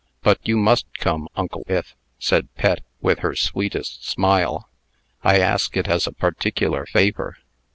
"But you must come, Uncle Ith!" said Pet, with her sweetest smile. "I ask it as a particular favor."